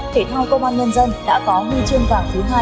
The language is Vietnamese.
thể thao công an nhân dân đã có huy chương vàng thứ hai